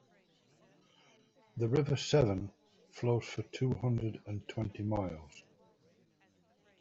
The river Severn flows for two hundred and twenty miles.